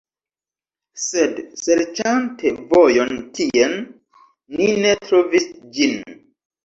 Sed serĉante vojon tien, ni ne trovis ĝin.